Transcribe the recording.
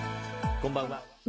こんばんは。